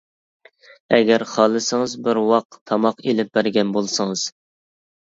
ئەگەر خالىسىڭىز بىر ۋاق تاماق ئىلىپ بەرگەن بولسىڭىز.